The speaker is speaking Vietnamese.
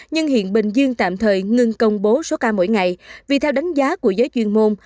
nhưng hiện bình dương tạm thời ngưng công bố số ca mỗi ngày vì theo đánh giá của giới chuyên môn